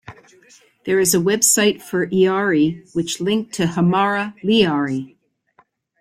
There is website for lyari which linked to Hamara Lyari.